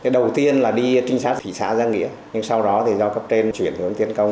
đầu tiên là đi trinh sát thị xã giang nghĩa nhưng sau đó thì do cấp trên chuyển hướng tiến công